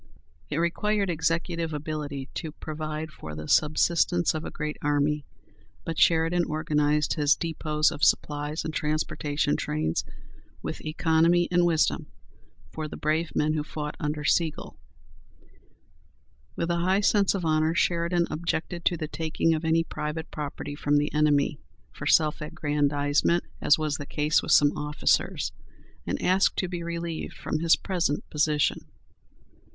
It required executive ability to provide for the subsistence of a great army, but Sheridan organized his depots of supplies and transportation trains with economy and wisdom, for the brave men who fought under Sigel. With a high sense of honor, Sheridan objected to the taking of any private property from the enemy, for self aggrandizement, as was the case with some officers, and asked to be relieved from his present position.